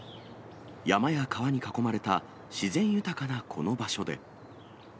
山や川に囲まれた自然豊かなこの場所で。